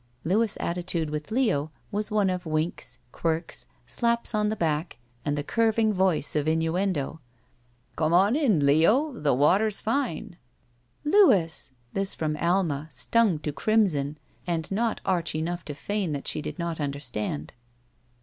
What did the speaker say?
Louis' attitude with Leo was one of winks, quirks, slaps on the back, and the curving voice of innuendo. Come on in, Leo; the water's fine!" ''Louis!" This from Alma, stung to crimson and not arch enough to feign that she did not understand.